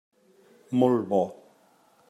Molt bo.